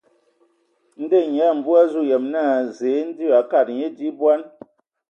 Ndɔ Nyia Mvu a azu yem naa Zǝǝ ndzo e akad nye di bɔn.